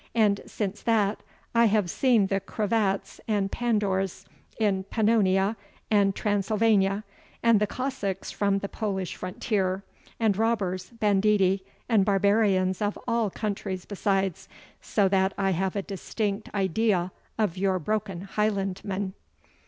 And since that, I have seen the Cravats and Pandours in Pannonia and Transylvania, and the Cossacks from the Polish frontier, and robbers, banditti, and barbarians of all countries besides, so that I have a distinct idea of your broken Highlandmen."